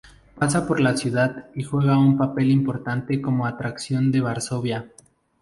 Pasa por la ciudad y juega un papel importante como atracción de Varsovia.